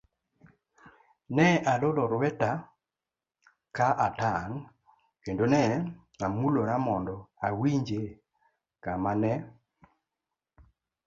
Ne aloro lweta ka atang' kendo ne amulora mondo awinje kama ne